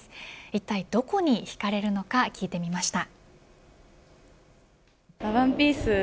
一体どこに惹かれるのか聞いてみました。